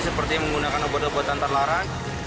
seperti menggunakan obat obatan terlarang